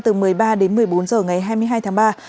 từ một mươi ba đến một mươi bốn h ngày hai mươi hai tháng ba